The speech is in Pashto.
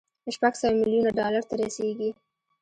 شپږ سوه ميليونه ډالر ته رسېږي.